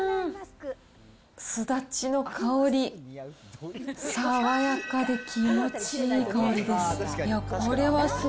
すだちの香り、爽やかで気持ちいい香りです。